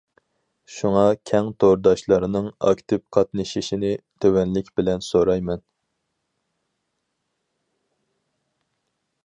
شۇڭا كەڭ تورداشلارنىڭ ئاكتىپ قاتنىشىشىنى تۆۋەنلىك بىلەن سورايمەن.